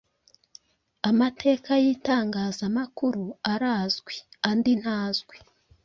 Amateka y’itangazamakuru arazwi andi ntazwi.